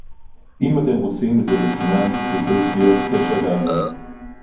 אם אתם רוצים את זה בחינם - זה צריך להיות פשע ועוון